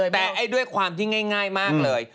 แต่ด้วยความที่ง่ายมากเลย